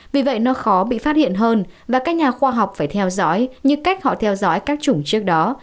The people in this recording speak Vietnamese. vì vậy nó khó bị phát hiện hơn và các nhà khoa học phải theo dõi như cách họ theo dõi các chủng trước đó